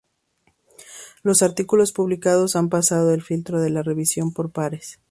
Los artículos publicados han pasado el filtro de la revisión por pares.